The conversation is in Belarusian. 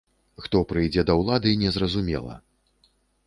Хто прыйдзе да ўлады, не зразумела.